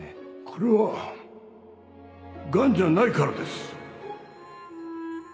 これは癌じゃないからです